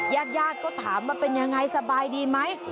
ญาติญาติก็ถามว่าเป็นยังไงสบายดีไหม